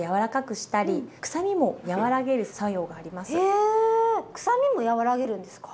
へえくさみも和らげるんですか？